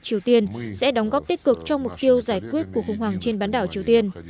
triều tiên sẽ đóng góp tích cực trong mục tiêu giải quyết cuộc khủng hoảng trên bán đảo triều tiên